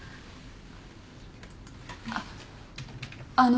あっあの。